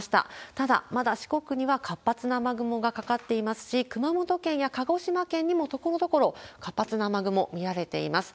ただ、まだ四国には活発な雨雲がかかっていますし、熊本県や鹿児島県にもところどころ活発な雨雲、見られています。